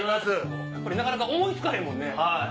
これなかなか思い付かへんもんね。